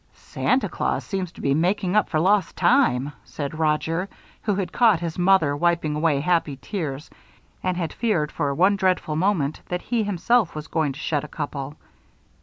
"Santa Claus seems to be making up for lost time," said Roger, who had caught his mother wiping away happy tears and had feared for one dreadful moment that he himself was going to shed a couple.